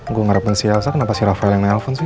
gue ngarepin si elsa kenapa si rafael yang nanggap alfonsnya